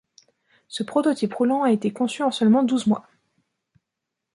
Ce prototype roulant a été conçu en seulement douze mois.